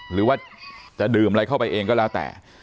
หรือว่าจะดื่มอะไรเข้าไปเองก็แล้วแต่